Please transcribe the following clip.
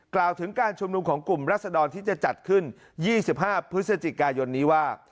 กล่าวถึงการชุมนุมของกลุ่มรัศดรที่จะจัดขึ้น๒๕พฤศจิกายนนี้ว่า